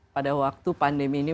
pada waktu pandemi ini